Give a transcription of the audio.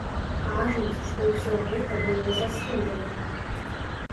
Кажуць, што ўсё гэта было заслужана.